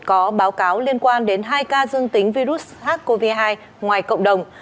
có báo cáo liên quan đến hai ca dương tính virus hcov hai ngoài cộng đồng